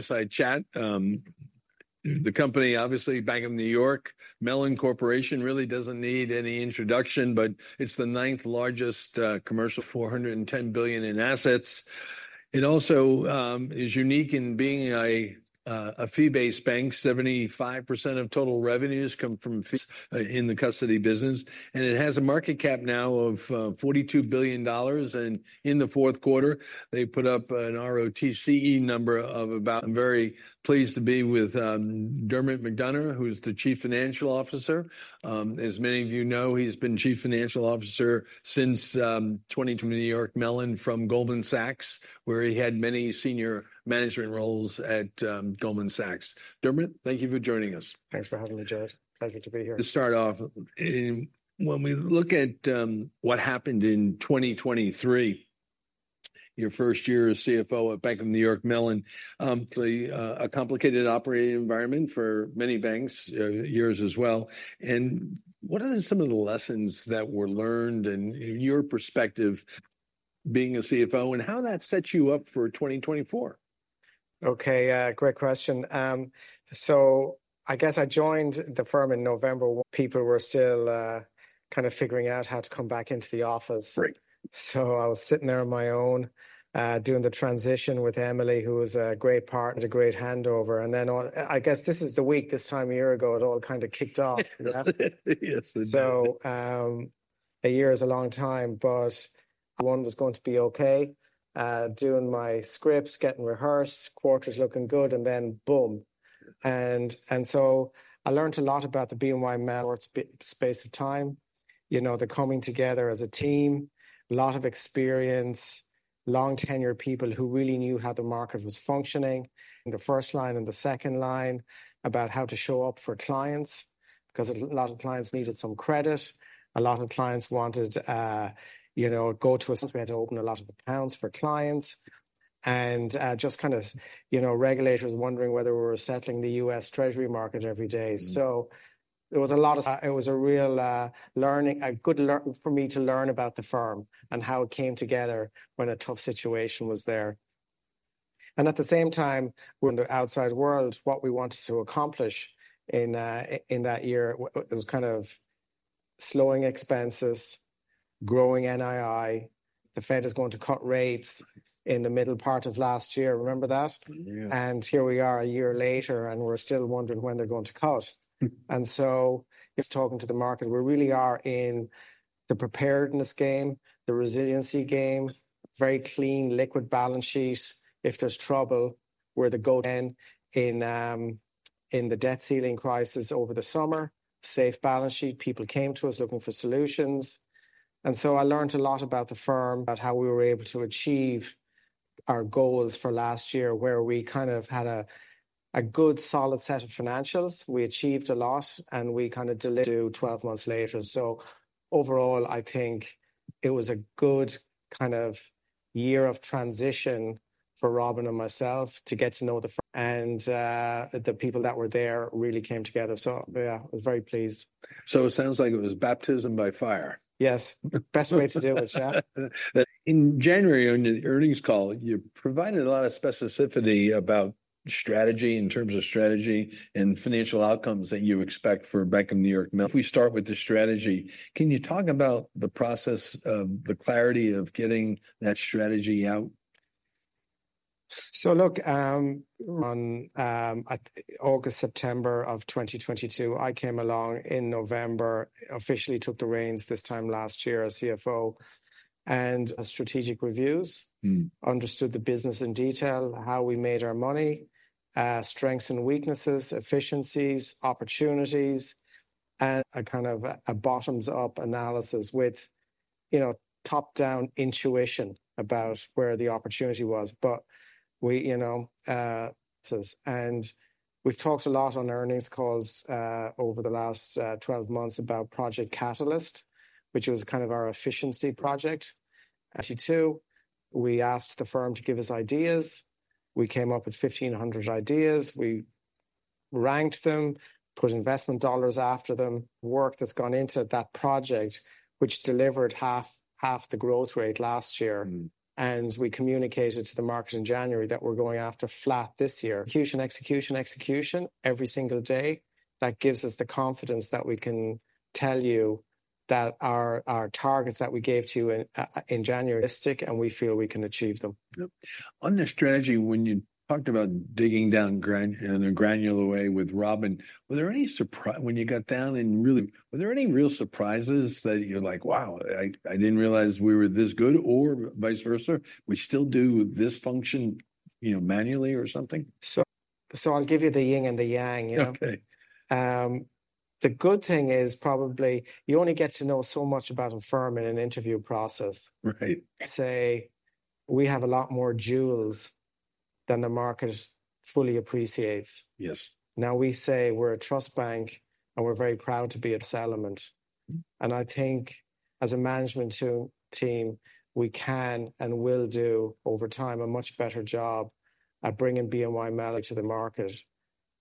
Side chat. The company, obviously, Bank of New York Mellon Corporation, really doesn't need any introduction, but it's the ninth largest commercial. $410 billion in assets. It also is unique in being a fee-based bank. 75% of total revenues come from fees in the custody business. It has a market cap now of $42 billion, and in the fourth quarter they put up an ROTCE number of about. I'm very pleased to be with Dermot McDonogh, who's the Chief Financial Officer. As many of you know, he's been Chief Financial Officer since 2020. New York Mellon from Goldman Sachs, where he had many senior management roles at Goldman Sachs. Dermot, thank you for joining us. Thanks for having me, Joe. Pleasure to be here. To start off, when we look at what happened in 2023, your first year as CFO at Bank of New York Mellon, a complicated operating environment for many banks, yours as well. What are some of the lessons that were learned and your perspective being a CFO, and how that set you up for 2024? Okay, great question. So I guess I joined the firm in November. People were still, kind of figuring out how to come back into the office. Right. So I was sitting there on my own, doing the transition with Emily, who was a great partner, a great handover. And then, all—I guess—this is the week this time a year ago it all kind of kicked off, you know? Yes, it did. So, a year is a long time, but one was going to be okay, doing my scripts, getting rehearsed, quarters looking good, and then boom. And so I learned a lot about the BNY Mellon space of time, you know, the coming together as a team, a lot of experience, long-tenured people who really knew how the market was functioning. The first line and the second line about how to show up for clients, because a lot of clients needed some credit, a lot of clients wanted, you know, go to a. We had to open a lot of accounts for clients, and, just kind of, you know, regulators wondering whether we were settling the U.S. Treasury market every day. So there was a lot of. It was a real learning, a good learning for me to learn about the firm and how it came together when a tough situation was there. At the same time, we're in the outside world. What we wanted to accomplish in that year, it was kind of slowing expenses, growing NII, the Fed is going to cut rates in the middle part of last year. Remember that? Yeah. Here we are a year later, and we're still wondering when they're going to cut. And so it's talking to the market. We really are in the preparedness game, the resiliency game, very clean, liquid balance sheet. If there's trouble, we're the go-to. In the debt ceiling crisis over the summer, safe balance sheet. People came to us looking for solutions. And so I learned a lot about the firm, about how we were able to achieve our goals for last year, where we kind of had a good, solid set of financials. We achieved a lot, and we kind of delivered to do 12 months later. So overall, I think it was a good kind of year of transition for Robin and myself to get to know the firm, and the people that were there really came together. So yeah, I was very pleased. So it sounds like it was baptism by fire. Yes. Best way to do it, yeah. In January, on the earnings call, you provided a lot of specificity about strategy, in terms of strategy and financial outcomes that you expect for Bank of New York. We start with the strategy, can you talk about the process of the clarity of getting that strategy out? So look, on August-September 2022, I came along in November, officially took the reins this time last year as CFO, and strategic reviews, understood the business in detail, how we made our money, strengths and weaknesses, efficiencies, opportunities, and a kind of bottoms-up analysis with, you know, top-down intuition about where the opportunity was. But we, you know, and we've talked a lot on earnings calls over the last 12 months about Project Catalyst, which was kind of our efficiency project. And 2022, we asked the firm to give us ideas. We came up with 1,500 ideas. We ranked them, put investment dollars after them, work that's gone into that project, which delivered half the growth rate last year. And we communicated to the market in January that we're going after flat this year. Execution, execution, execution every single day. That gives us the confidence that we can tell you that our targets that we gave to you in January. Realistic, and we feel we can achieve them. Yep. On that strategy, when you talked about digging down in a granular way with Robin, were there any surprises when you got down and really were there any real surprises that you're like, "Wow, I, I didn't realize we were this good," or vice versa? We still do this function, you know, manually or something? So, so I'll give you the yin and the yang, you know? Okay. The good thing is probably you only get to know so much about a firm in an interview process. Right. Say, we have a lot more jewels than the market fully appreciates. Yes. Now we say we're a trust bank, and we're very proud to be a trust element. And I think as a management team, we can and will do over time a much better job at bringing BNY Mellon to the market,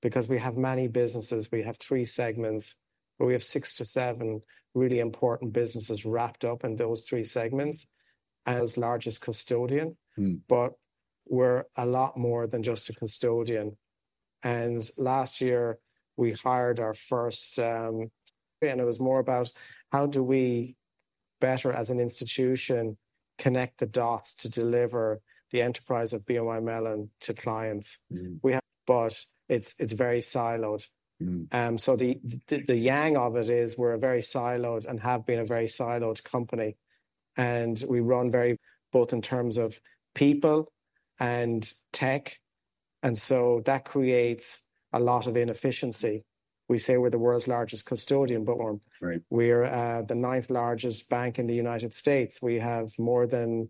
because we have many businesses. We have three segments, but we have six to seven really important businesses wrapped up in those three segments. Largest custodian, but we're a lot more than just a custodian. And last year we hired our first. And it was more about how do we better, as an institution, connect the dots to deliver the enterprise of BNY Mellon to clients. But it's very siloed. So the yang of it is we're very siloed and have been a very siloed company, and we run very both in terms of people and tech. That creates a lot of inefficiency. We say we're the world's largest custodian, but. Right. We're the ninth largest bank in the United States. We have more than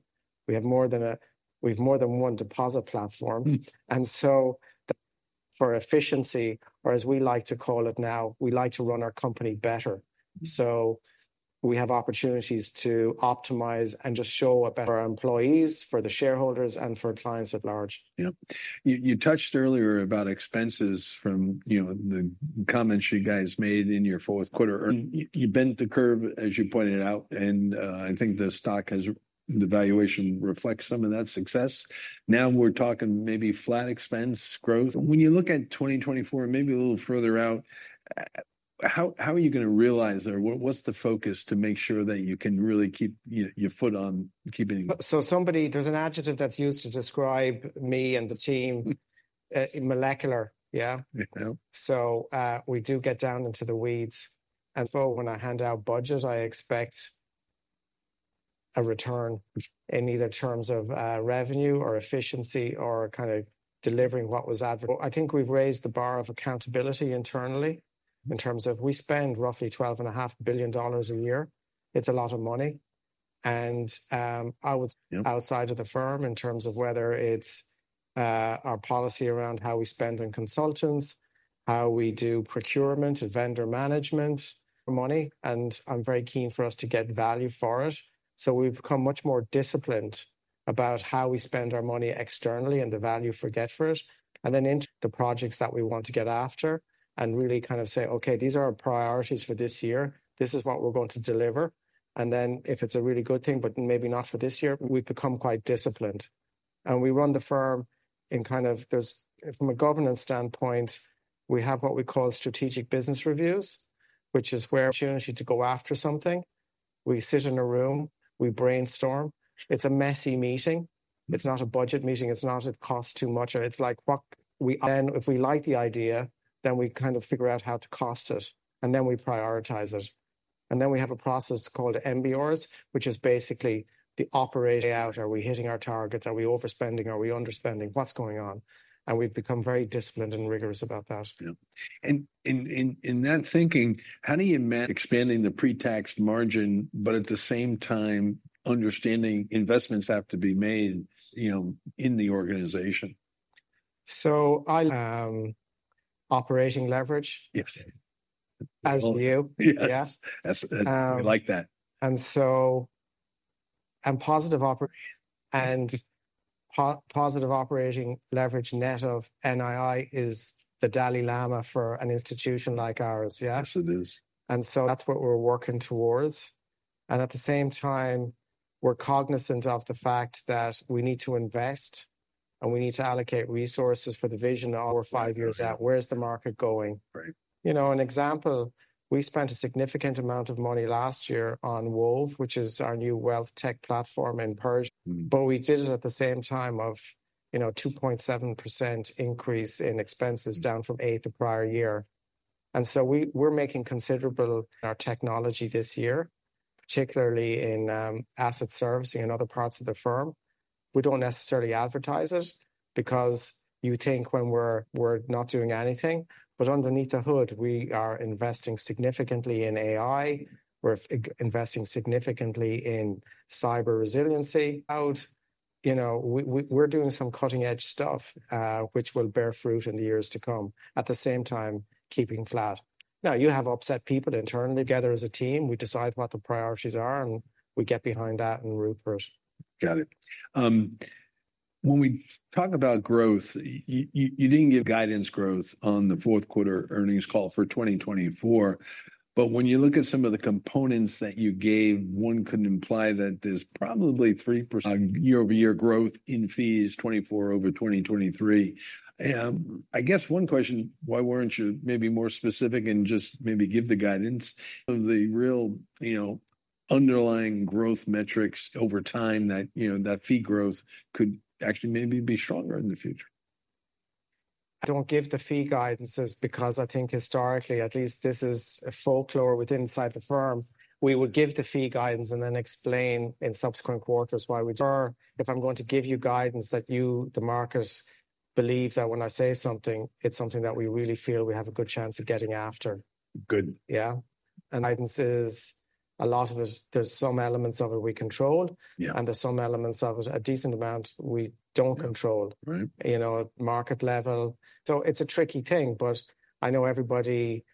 one deposit platform. And so that's for efficiency, or as we like to call it now, we like to run our company better. So we have opportunities to optimize and just show a better for our employees, for the shareholders, and for clients at large. Yep. You touched earlier about expenses from, you know, the comments you guys made in your fourth quarter. You bent the curve, as you pointed out, and, I think the stock has the valuation reflects some of that success. Now we're talking maybe flat expense growth. When you look at 2024, maybe a little further out, how are you going to realize or what's the focus to make sure that you can really keep your foot on keeping. So, somebody there, there's an adjective that's used to describe me and the team, immolecular, yeah? Yeah. So, we do get down into the weeds. When I hand out budgets, I expect a return in either terms of revenue or efficiency or kind of delivering what was advertised. I think we've raised the bar of accountability internally, in terms of we spend roughly $12.5 billion a year. It's a lot of money. Outside of the firm, in terms of whether it's our policy around how we spend on consultants, how we do procurement and vendor management, money, and I'm very keen for us to get value for it. So we've become much more disciplined about how we spend our money externally and the value we get for it. The projects that we want to get after and really kind of say, okay, these are our priorities for this year, this is what we're going to deliver. And then if it's a really good thing, but maybe not for this year, we've become quite disciplined. And we run the firm in kind of, there's from a governance standpoint, we have what we call strategic business reviews, which is where opportunity to go after something. We sit in a room, we brainstorm. It's a messy meeting. It's not a budget meeting. It's not it costs too much. It's like what we. Then if we like the idea, then we kind of figure out how to cost it, and then we prioritize it. And then we have a process called MBORs, which is basically the operation out? Are we hitting our targets? Are we overspending? Are we underspending? What's going on? And we've become very disciplined and rigorous about that. Yeah. In that thinking, how do you manage expanding the pretax margin, but at the same time understanding investments have to be made, you know, in the organization? So, operating leverage. Yes. As you. Yeah. Yes. I like that. So, positive operating leverage net of NII is the Dalai Lama for an institution like ours, yeah? Yes, it is. And so that's what we're working towards. And at the same time, we're cognizant of the fact that we need to invest, and we need to allocate resources for the vision of four or five years out, where's the market going? Right. You know, an example, we spent a significant amount of money last year on Wove, which is our new wealth tech platform in Pershing. But we did it at the same time of, you know, 2.7% increase in expenses, down from 8% the prior year. And so we're making considerable. Our technology this year, particularly in asset servicing and other parts of the firm. We don't necessarily advertise it because you think when we're, we're not doing anything. But underneath the hood, we are investing significantly in AI. We're investing significantly in cyber resiliency. You know, we're doing some cutting-edge stuff, which will bear fruit in the years to come, at the same time keeping flat. Now, you have upset people internally. Together as a team, we decide what the priorities are, and we get behind that and ruthless. Got it. When we talk about growth, you didn't give growth guidance on the fourth quarter earnings call for 2024. But when you look at some of the components that you gave, one could imply that there's probably 3% year-over-year growth in fees 2024 over 2023. I guess one question, why weren't you maybe more specific and just maybe give the guidance? Of the real, you know, underlying growth metrics over time that, you know, that fee growth could actually maybe be stronger in the future? I don't give the fee guidances because I think historically, at least this is a folklore within the firm, we would give the fee guidance and then explain in subsequent quarters why we prefer if I'm going to give you guidance that you, the markets, believe that when I say something, it's something that we really feel we have a good chance of getting after. Good. Yeah. And guidance, a lot of it, there's some elements of it we control, and there's some elements of it, a decent amount, we don't control. Right. You know, market level. So it's a tricky thing, but I know everybody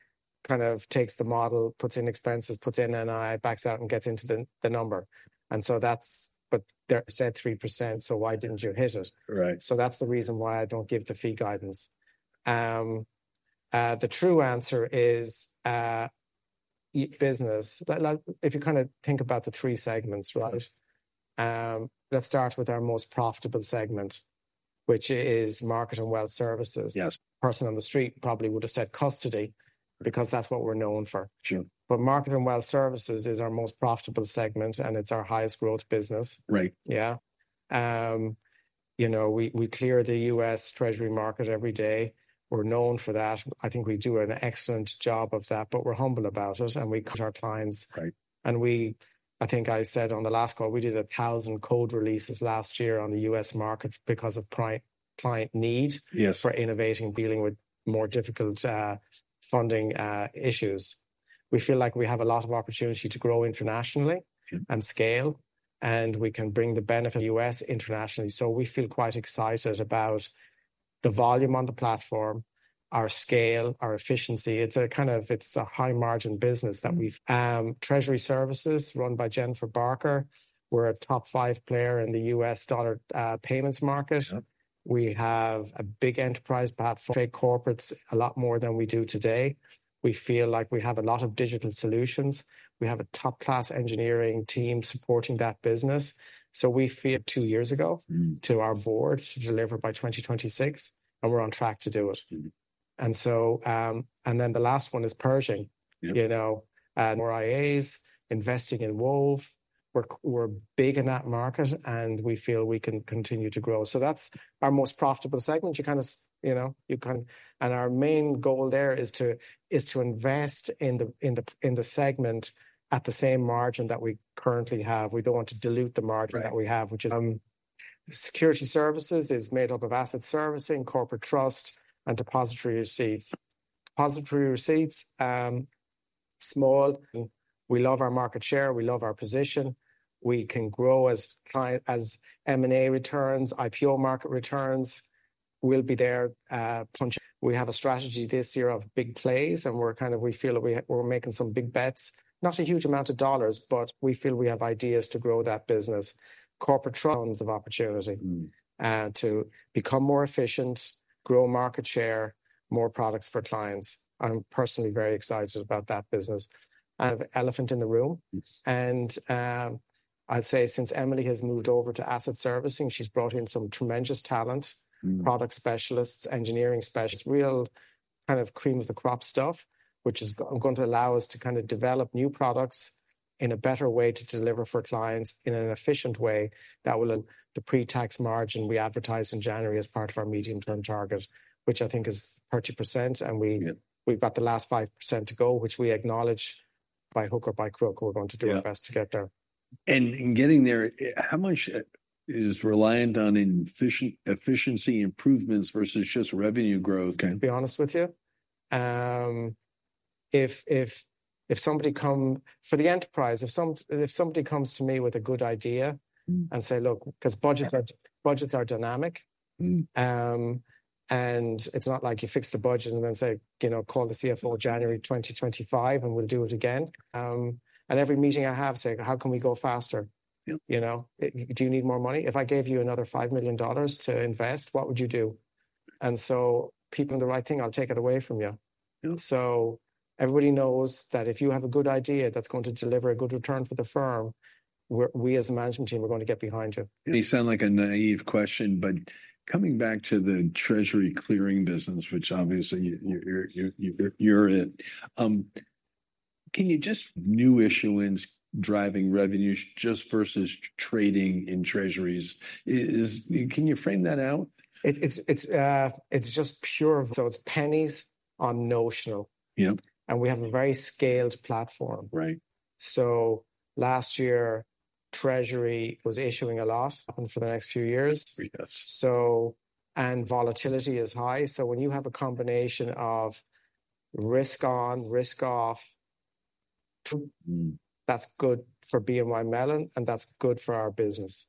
kind of takes the model, puts in expenses, puts in NII, backs out, and gets into the number. And so that's but there said 3%, so why didn't you hit it? Right. So that's the reason why I don't give the fee guidance. The true answer is your business. Like, like, if you kind of think about the three segments, right? Let's start with our most profitable segment, which is Market and Wealth Services. Person on the street probably would have said custody because that's what we're known for. Sure. Market and Wealth Services is our most profitable segment, and it's our highest growth business. Right. Yeah. You know, we clear the U.S. Treasury market every day. We're known for that. I think we do an excellent job of that, but we're humble about it, and we. Our clients. Right. And I think I said on the last call, we did 1,000 code releases last year on the U.S. market because of client need. Yes. For innovating, dealing with more difficult funding issues. We feel like we have a lot of opportunity to grow internationally and scale, and we can bring the benefit of the U.S. internationally. So we feel quite excited about the volume on the platform, our scale, our efficiency. It's a kind of it's a high-margin business that we. Treasury services run by Jennifer Barker. We're a top five player in the U.S. dollar payments market. We have a big enterprise platform. Trade corporates a lot more than we do today. We feel like we have a lot of digital solutions. We have a top-class engineering team supporting that business. So we feel. Two years ago to our board to deliver by 2026, and we're on track to do it. And so, and then the last one is Pershing, you know, and. More IAs, investing in Wove. We're big in that market, and we feel we can continue to grow. So that's our most profitable segment. And our main goal there is to invest in the segment at the same margin that we currently have. We don't want to dilute the margin that we have, which is. Securities Services is made up of asset servicing, corporate trust, and depository receipts. Depository receipts, small. We love our market share. We love our position. We can grow as client as M&A returns, IPO market returns. We'll be there, punch. We have a strategy this year of big plays, and we feel that we're making some big bets. Not a huge amount of dollars, but we feel we have ideas to grow that business. Corporate, tons of opportunity to become more efficient, grow market share, more products for clients. I'm personally very excited about that business. Elephant in the room. I'd say since Emily has moved over to asset servicing, she's brought in some tremendous talent, product specialists, engineering specialists. Real kind of cream of the crop stuff, which is going to allow us to kind of develop new products in a better way to deliver for clients in an efficient way that will. The pre-tax margin we advertise in January as part of our medium-term target, which I think is 30%. And we've got the last 5% to go, which we acknowledge. By hook or by crook, we're going to do our best to get there. In getting there, how much is reliant on inefficient efficiency improvements versus just revenue growth? To be honest with you, if somebody comes to the enterprise, if somebody comes to me with a good idea and say, look, because budgets are dynamic. It's not like you fix the budget and then say, you know, call the CFO January 2025, and we'll do it again. Every meeting I have, say, "How can we go faster?" You know, "Do you need more money? If I gave you another $5 million to invest, what would you do?" And so people. The right thing, I'll take it away from you. So everybody knows that if you have a good idea that's going to deliver a good return for the firm, we as a management team, we're going to get behind you. It sounds like a naive question, but coming back to the treasury clearing business, which obviously you're in it, can you just. New issuance driving revenues just versus trading in treasuries? Can you frame that out? It's just pure. So it's pennies on notional. Yep. We have a very scaled platform. Right. Last year, Treasury was issuing a lot. Happen for the next few years. Yes. Volatility is high. When you have a combination of risk on, risk off, that's good for BNY Mellon, and that's good for our business.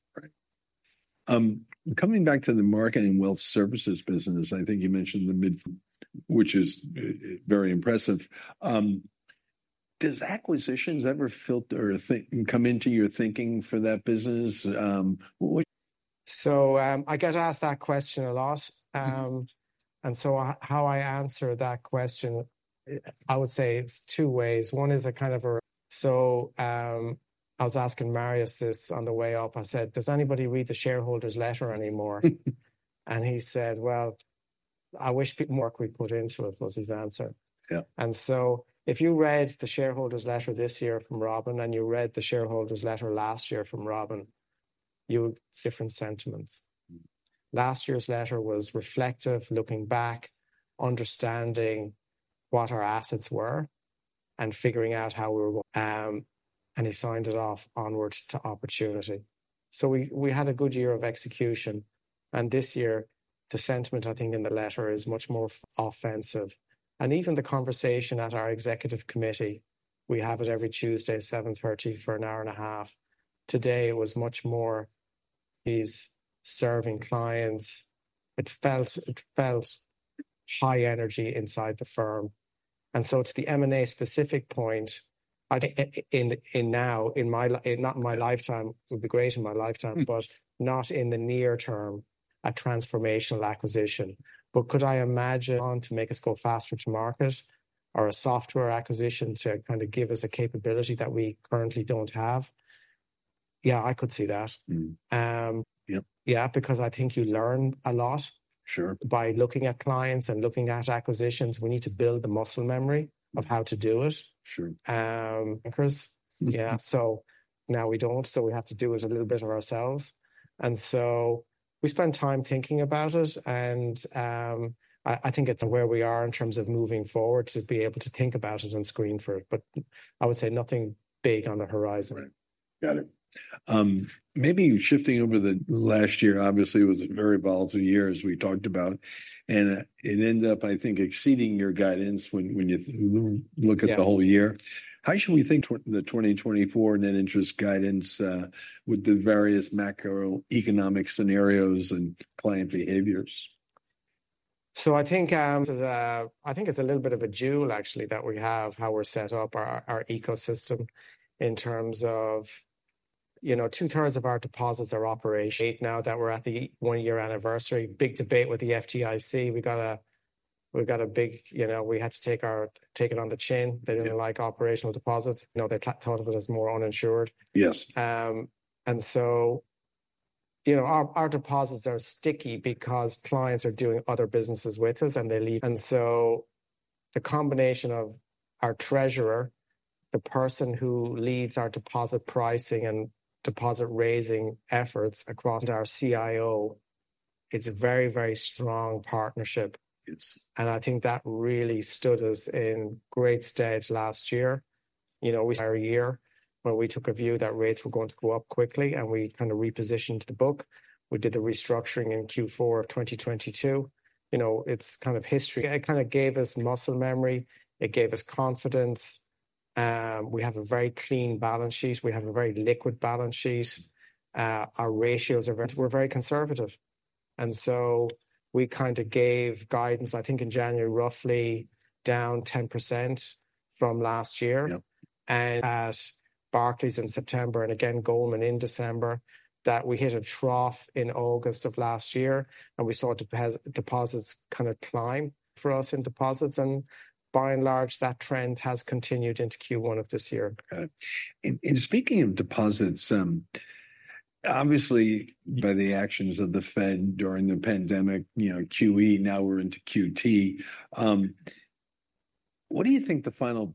Right. Coming back to the Market and Wealth Services business, I think you mentioned the mid, which is very impressive. Do acquisitions ever figure or come into your thinking for that business? What. So, I get asked that question a lot. And so how I answer that question, I would say it's two ways. One is a kind of. So, I was asking Marius this on the way up. I said, "Does anybody read the shareholders' letter anymore?" And he said, "Well, I wish people work we put into it" was his answer. Yeah. And so if you read the shareholders' letter this year from Robin and you read the shareholders' letter last year from Robin, you would. Different sentiments. Last year's letter was reflective, looking back, understanding what our assets were and figuring out how we were, and he signed it off onwards to opportunity. So we had a good year of execution. And this year, the sentiment, I think, in the letter is much more offensive. And even the conversation at our executive committee, we have it every Tuesday at 7:30 A.M. for an hour and a half. Today it was much more. She's serving clients. It felt high energy inside the firm. And so to the M&A specific point, it would be great in my lifetime, but not in the near term. A transformational acquisition. But could I imagine one to make us go faster to market or a software acquisition to kind of give us a capability that we currently don't have? Yeah, I could see that. Yep. Yeah, because I think you learn a lot. Sure. By looking at clients and looking at acquisitions. We need to build the muscle memory of how to do it. Sure. Anchors. Yeah. So now we don't. So we have to do it a little bit of ourselves. We spend time thinking about it. I think it's where we are in terms of moving forward to be able to think about it and screen for it. But I would say nothing big on the horizon. Right. Got it. Maybe shifting over the last year, obviously, it was a very volatile year, as we talked about. It ended up, I think, exceeding your guidance when you look at the whole year. How should we think the 2024 net interest guidance, with the various macroeconomic scenarios and client behaviors? So I think this is a little bit of a jewel, actually, that we have, how we're set up, our ecosystem in terms of, you know, 2/3 of our deposits are operational. Now that we're at the one-year anniversary, big debate with the FDIC. We got a big, you know, we had to take it on the chin. They didn't like operational deposits. You know, they thought of it as more uninsured. Yes. And so, you know, our deposits are sticky because clients are doing other businesses with us, and they leave. And so the combination of our treasurer, the person who leads our deposit pricing and deposit raising efforts across our CIO, it's a very, very strong partnership. Yes. I think that really stood us in great stead last year. You know, year where we took a view that rates were going to go up quickly, and we kind of repositioned the book. We did the restructuring in Q4 of 2022. You know, it's kind of history. It kind of gave us muscle memory. It gave us confidence. We have a very clean balance sheet. We have a very liquid balance sheet. Our ratios are. We're very conservative. And so we kind of gave guidance, I think, in January, roughly down 10% from last year. Yep. At Barclays in September and, again, Goldman in December, that we hit a trough in August of last year, and we saw deposits kind of climb for us in deposits. And by and large, that trend has continued into Q1 of this year. Got it. And speaking of deposits, obviously. By the actions of the Fed during the pandemic, you know, QE, now we're into QT. What do you think the final,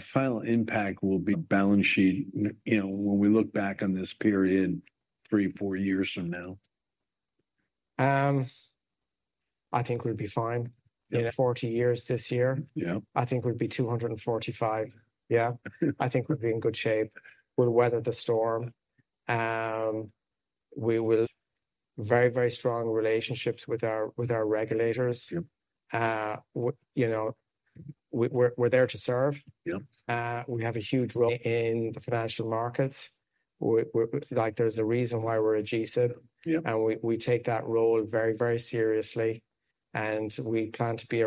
final impact will. Balance sheet, you know, when we look back on this period three, four years from now? I think we'll be fine. You know, 40 years this year. Yeah. I think we'll be 245. Yeah. I think we'll be in good shape. We'll weather the storm. We will. Very, very strong relationships with our regulators. Yep. You know, we're there to serve. Yep. We have a huge role in the financial markets. We're like, there's a reason why we're a G-SIB. Yep. We take that role very, very seriously. We plan to be.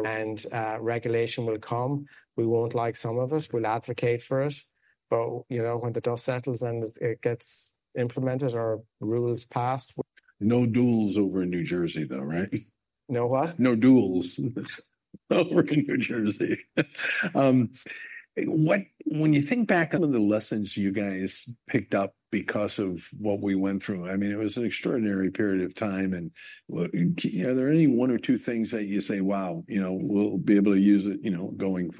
Regulation will come. We won't like some of it. We'll advocate for it. But, you know, when the dust settles and it gets implemented or rules passed. No duels over in New Jersey, though, right? No what? No duels over in New Jersey. What, when you think back, of the lessons you guys picked up because of what we went through? I mean, it was an extraordinary period of time. Are there any one or two things that you say, "Wow, you know, we'll be able to use it, you know, going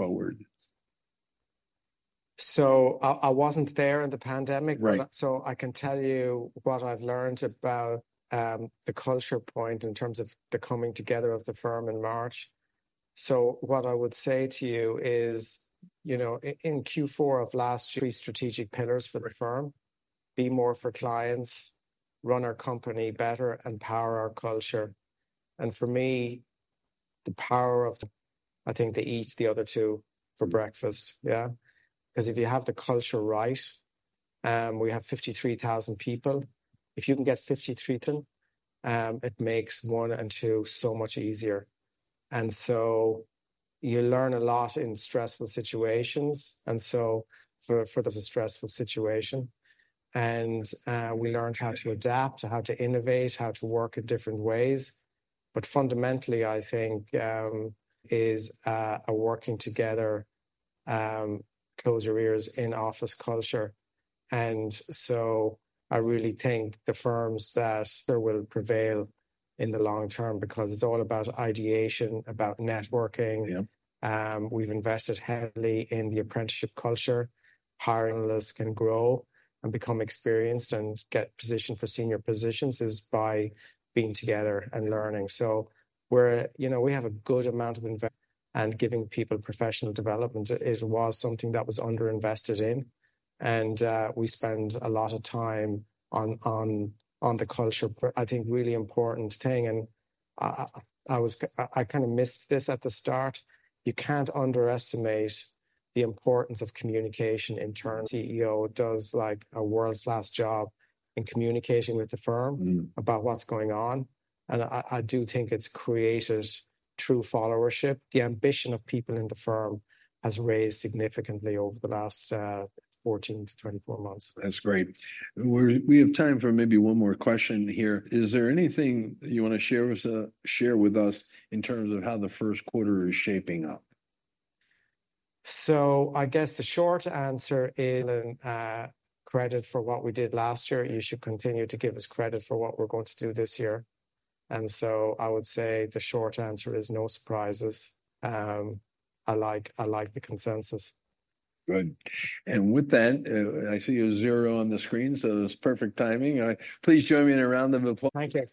forward"? So I wasn't there in the pandemic, but so I can tell you what I've learned about the culture point in terms of the coming together of the firm in March. So what I would say to you is, you know, in Q4 of last. Three strategic pillars for the firm: be more for clients, run our company better, and power our culture. And for me, the power of. I think they eat the other two for breakfast. Yeah. Because if you have the culture right, we have 53,000 people. If you can get 53,000. Then it makes one and two so much easier. And so you learn a lot in stressful situations. And so for. Of a stressful situation. And we learned how to adapt, how to innovate, how to work in different ways. But fundamentally, I think is a working together, collaborative in-office culture. And so I really think the firms that will prevail in the long term because it's all about ideation, about networking. Yep. We've invested heavily in the apprenticeship culture. Hiring lists can grow and become experienced and get positioned for senior positions is by being together and learning. So we're, you know, we have a good amount of. And giving people professional development. It was something that was underinvested in. And we spend a lot of time on the culture. I think really important thing. And I kind of missed this at the start. You can't underestimate the importance of communication internally. CEO does, like, a world-class job in communicating with the firm about what's going on. And I do think it's created true followership. The ambition of people in the firm has raised significantly over the last 14-24 months. That's great. We have time for maybe one more question here. Is there anything you want to share with us in terms of how the first quarter is shaping up? So, I guess the short answer is, give Mellon credit for what we did last year. You should continue to give us credit for what we're going to do this year. And so I would say the short answer is no surprises. I like, I like the consensus. Good. And with that, I see you're zero on the screen, so it's perfect timing. Please join me in a round of applause. Thank you.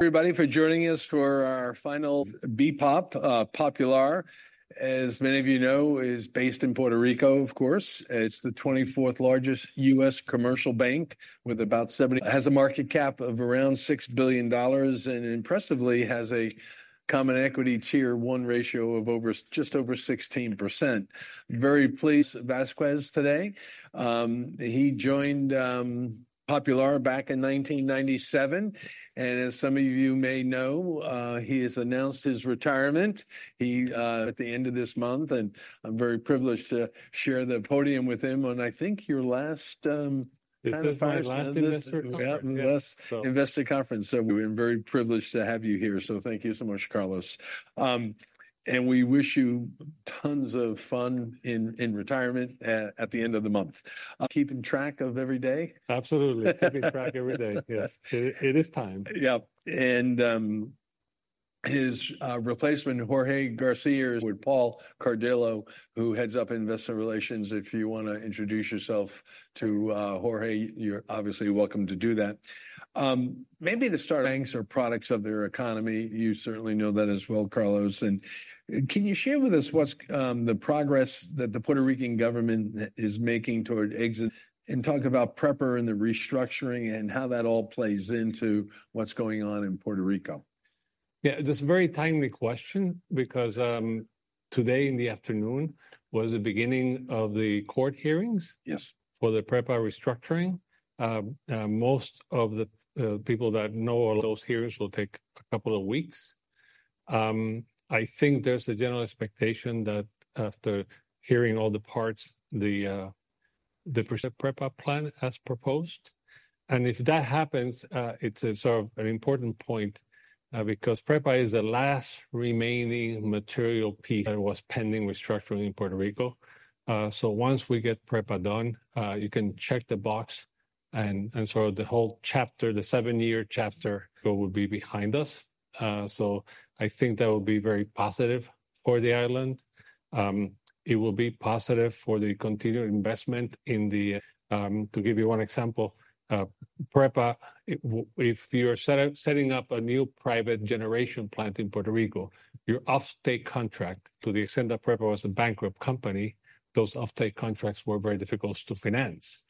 Everybody, for joining us for our final BPOP, Popular. As many of you know, it is based in Puerto Rico, of course. It's the 24th largest U.S. commercial bank with about 70. It has a market cap of around $6 billion and impressively has a Common Equity Tier 1 ratio of just over 16%. Very pleased to have Carlos Vázquez today. He joined Popular back in 1997. And as some of you may know, he has announced his retirement. He [will retire] at the end of this month. And I'm very privileged to share the podium with him on, I think, your last, This is my last investor conference. Yep, last investor conference. So we're very privileged to have you here. So thank you so much, Carlos. And we wish you tons of fun in retirement, at the end of the month. Keeping track of every day? Absolutely. Keeping track every day. Yes. It is time. Yep. And his replacement, Jorge García, is with Paul Cardillo, who heads up investor relations. If you want to introduce yourself to Jorge, you're obviously welcome to do that. Maybe to start. Banks are products of their economy. You certainly know that as well, Carlos. And can you share with us what's the progress that the Puerto Rican government is making toward. And talk about PREPA and the restructuring and how that all plays into what's going on in Puerto Rico. Yeah, this is a very timely question because, today in the afternoon was the beginning of the court hearings. Yes. For the PREPA restructuring, most of the people that know. Those hearings will take a couple of weeks. I think there's a general expectation that after hearing all the parts, the PREPA plan as proposed. And if that happens, it's a sort of an important point, because PREPA is the last remaining material piece that was pending restructuring in Puerto Rico. So once we get PREPA done, you can check the box and sort of the whole chapter, the seven-year chapter, would be behind us. So I think that would be very positive for the island. It will be positive for the continued investment in the. To give you one example, PREPA, if you're setting up a new private generation plant in Puerto Rico, your off-take contract, to the extent that PREPA was a bankrupt company, those off-take contracts were very difficult to finance.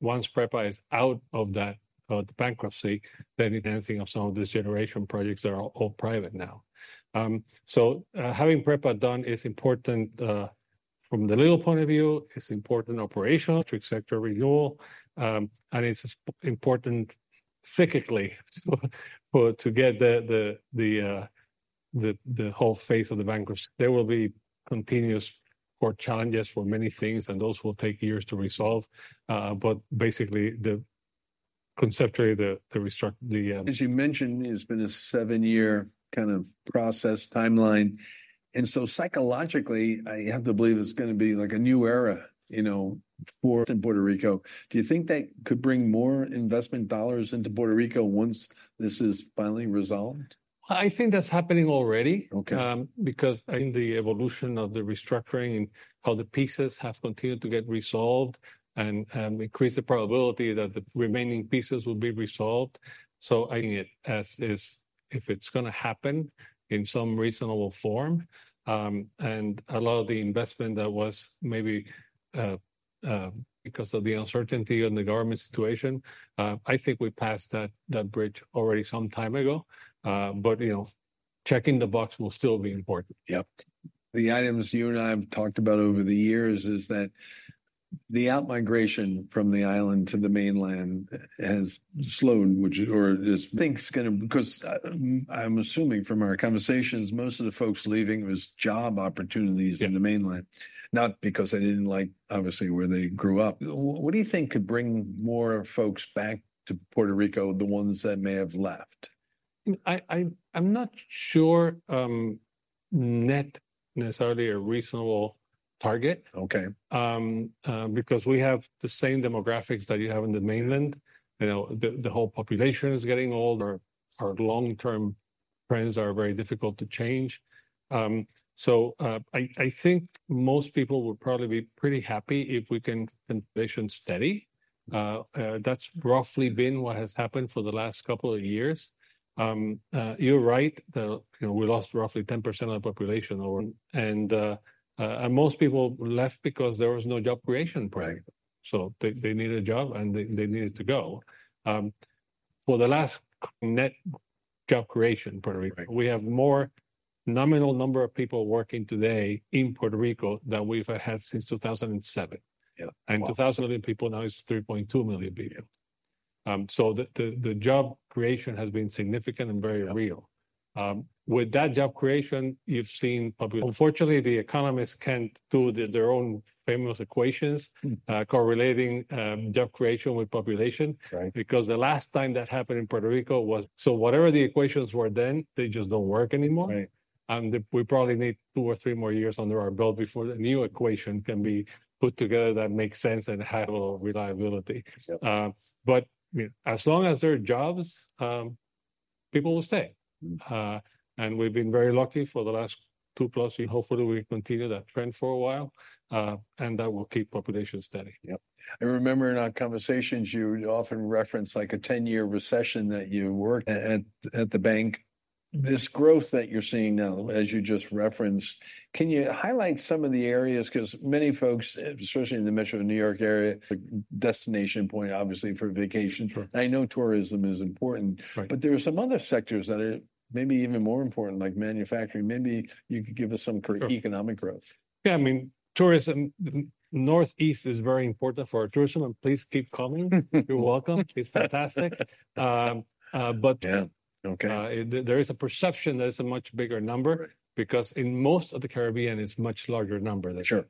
Once PREPA is out of that, of the bankruptcy, then. Financing of some of these generation projects that are all private now. So, having PREPA done is important, from the legal point of view. It's important operationally. Electric sector renewal. And it's important cyclically to get the whole phase of the bankruptcy. There will be continuous court challenges for many things, and those will take years to resolve. But basically, conceptually, the restructuring. As you mentioned, it's been a seven-year kind of process timeline. And so psychologically, I have to believe it's going to be like a new era, you know, for in Puerto Rico. Do you think that could bring more investment dollars into Puerto Rico once this is finally resolved? I think that's happening already. Okay. Because the evolution of the restructuring and how the pieces have continued to get resolved and increase the probability that the remaining pieces will be resolved. So I see it as if it's going to happen in some reasonable form, and a lot of the investment that was maybe because of the uncertainty and the government situation, I think we passed that bridge already some time ago. But you know, checking the box will still be important. Yep. The items you and I have talked about over the years is that the outmigration from the island to the mainland has slowed, which I think is going to because I'm assuming from our conversations, most of the folks leaving was job opportunities in the mainland, not because they didn't like, obviously, where they grew up. What do you think could bring more folks back to Puerto Rico, the ones that may have left? I'm not sure, not necessarily a reasonable target. Okay. Because we have the same demographics that you have in the mainland. You know, the whole population is getting old. Our long-term trends are very difficult to change. So, I think most people would probably be pretty happy if we can. Population steady. That's roughly been what has happened for the last couple of years. You're right that, you know, we lost roughly 10% of the population over. And most people left because there was no job creation program. So they needed a job and they needed to go. For the last. Net job creation in Puerto Rico. We have more nominal number of people working today in Puerto Rico than we've had since 2007. Yeah. Million people now is 3.2 million people. So the job creation has been significant and very real. With that job creation, you've seen population. Unfortunately, the economists can't do their own famous equations, correlating job creation with population. Right. Because the last time that happened in Puerto Rico was. So whatever the equations were then, they just don't work anymore. Right. We probably need two or three more years under our belt before the new equation can be put together that makes sense and has reliability. Yep. But you know, as long as there are jobs, people will stay. And we've been very lucky for the last two plus. Hopefully, we continue that trend for a while, and that will keep population steady. Yep. I remember in our conversations, you often referenced like a 10-year recession that you worked at the bank. This growth that you're seeing now, as you just referenced, can you highlight some of the areas? Because many folks, especially in the Metro New York area, a destination point, obviously, for vacation. Sure. I know tourism is important. Right. But there are some other sectors that are maybe even more important, like manufacturing. Maybe you could give us some economic growth. Yeah, I mean, tourism. Northeast is very important for our tourism. And please keep coming. You're welcome. It's fantastic. But. Yeah. Okay. There is a perception that it's a much bigger number because in most of the Caribbean, it's a much larger number. Sure.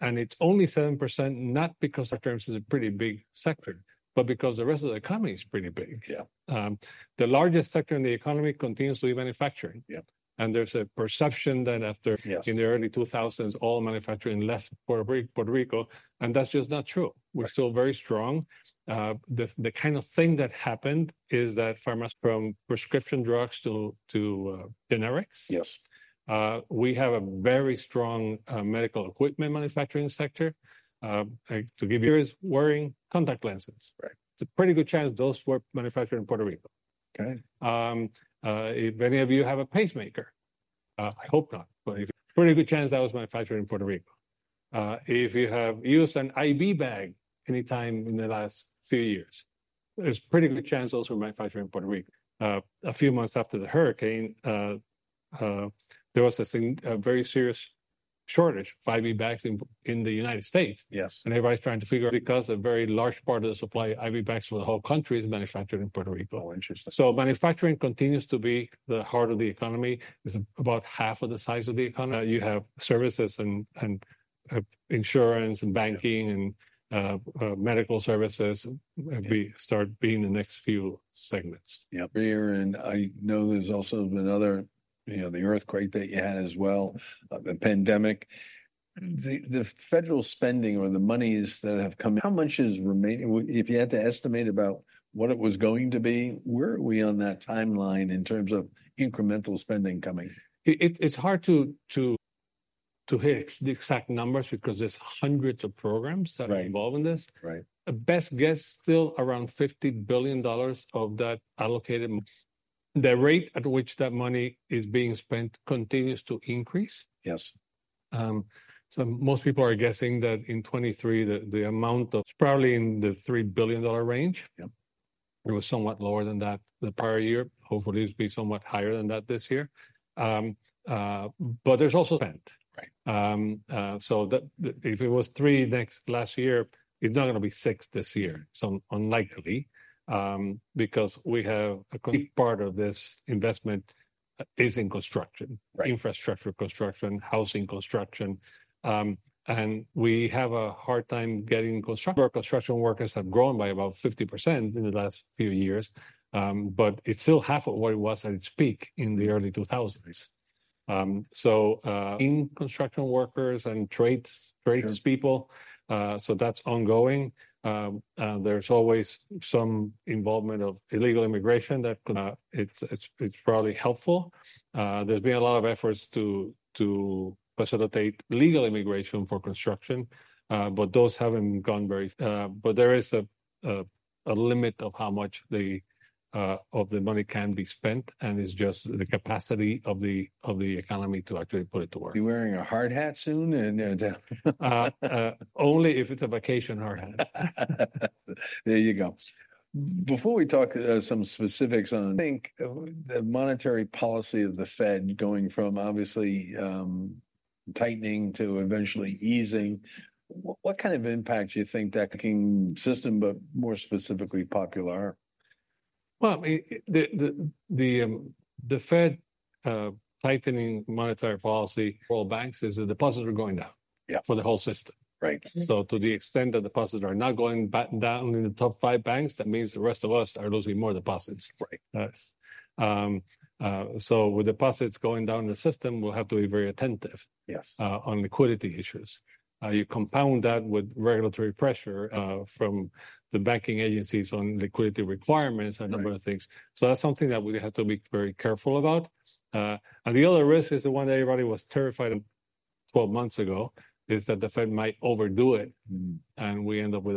It's only 7%, not because, in terms, it's a pretty big sector, but because the rest of the economy is pretty big. Yeah. The largest sector in the economy continues to be manufacturing. Yep. There's a perception that after. Yes. In the early 2000s, all manufacturing left Puerto Rico. That's just not true. We're still very strong. The kind of thing that happened is that pharma from prescription drugs to generics. Yes. We have a very strong medical equipment manufacturing sector. To give you. Is wearing contact lenses. Right. It's a pretty good chance those were manufactured in Puerto Rico. Okay. If any of you have a pacemaker, I hope not, but. Pretty good chance that was manufactured in Puerto Rico. If you have used an IV bag anytime in the last few years, there's a pretty good chance those were manufactured in Puerto Rico. A few months after the hurricane, there was a very serious shortage of IV bags in the United States. Yes. Everybody's trying to figure out because a very large part of the supply of IV bags for the whole country is manufactured in Puerto Rico. Oh, interesting. So manufacturing continues to be the heart of the economy. It's about half of the size of the economy. You have services and insurance and banking and medical services start being the next few segments. Yeah. Here, and I know there's also been other, you know, the earthquake that you had as well, the pandemic. The federal spending or the monies that have come, how much is remaining? If you had to estimate about what it was going to be, where are we on that timeline in terms of incremental spending coming? It's hard to hit the exact numbers because there's hundreds of programs that are involved in this. Right. Right. Best guess, still around $50 billion of that allocated. The rate at which that money is being spent continues to increase. Yes. Most people are guessing that in 2023, the amount of. It's probably in the $3 billion range. Yep. It was somewhat lower than that the prior year. Hopefully, it'll be somewhat higher than that this year, but there's also spent. Right. So that if it was three next last year, it's not going to be six this year. It's unlikely, because we have a big part of this investment is in construction. Right. Infrastructure construction, housing construction. We have a hard time getting construction. Our construction workers have grown by about 50% in the last few years, but it's still half of what it was at its peak in the early 2000s. In construction workers and tradespeople. Sure. That's ongoing. There's always some involvement of illegal immigration that. It's probably helpful. There's been a lot of efforts to facilitate legal immigration for construction, but those haven't gone very. But there is a limit of how much they, of the money can be spent, and it's just the capacity of the economy to actually put it to work. Be wearing a hard hat soon and, you know. Only if it's a vacation hard hat. There you go. Before we talk, some specifics on. Think the monetary policy of the Fed going from, obviously, tightening to eventually easing, what kind of impact do you think that banking system, but more specifically Popular? Well, I mean, the Fed tightening monetary policy. World banks is the deposits are going down. Yeah. For the whole system. Right. To the extent that deposits are not going down in the top five banks, that means the rest of us are losing more deposits. Right. So with deposits going down in the system, we'll have to be very attentive. Yes. On liquidity issues. You compound that with regulatory pressure from the banking agencies on liquidity requirements and a number of things. So that's something that we have to be very careful about. The other risk is the one that everybody was terrified of 12 months ago is that the Fed might overdo it and we end up with.